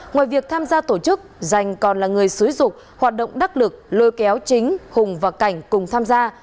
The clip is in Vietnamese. ngoài việc tham gia tổ chức giành còn là người sử dụng hoạt động đắc lực lôi kéo chính hùng và cảnh cùng tham gia